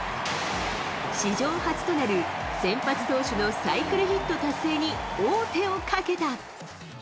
史上初となる先発投手のサイクルヒット達成に王手をかけた。